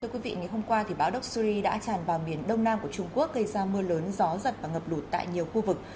thưa quý vị ngày hôm qua bão doxury đã tràn vào miền đông nam của trung quốc gây ra mưa lớn gió giật và ngập lụt tại nhiều khu vực